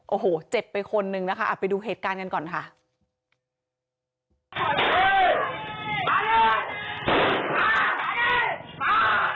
โอ้โหเจ็บไปคนนึงนะคะไปดูเหตุการณ์กันก่อนค่ะ